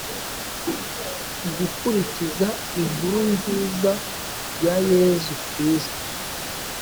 gukurikiza inkuru nziza ya yezu kristu